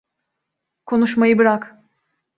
Konuşmayı bırak.